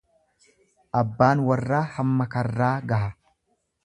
Abbaan warraa hamma karraa gaha.